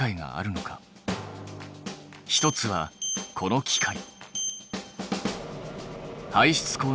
もう一つはこの機械。